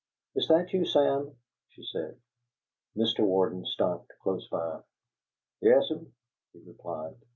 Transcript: "Is that you, Sam?" she said. Mr. Warden stopped, close by. "Yes'm," he replied.